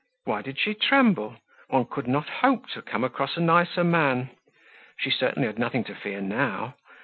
Why did she tremble? Once could not hope to come across a nicer man. She certainly had nothing to fear now.